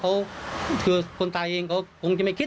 ก็เลยต้องรีบไปแจ้งให้ตรวจสอบคือตอนนี้ครอบครัวรู้สึกไม่ไกล